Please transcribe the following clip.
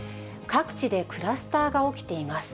各地でクラスターが起きています。